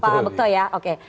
pak bekto ya oke